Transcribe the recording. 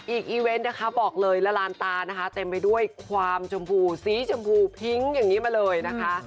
อีเวนต์นะคะบอกเลยละลานตานะคะเต็มไปด้วยความชมพูสีชมพูพิ้งอย่างนี้มาเลยนะคะ